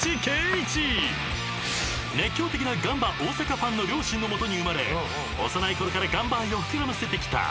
［熱狂的なガンバ大阪ファンの両親の下に生まれ幼いころからガンバ愛を膨らませてきた］